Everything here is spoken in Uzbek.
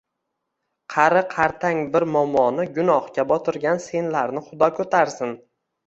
Qari-qartang bir momoni gunohga botirgan senlarni xudo ko‘tarsin!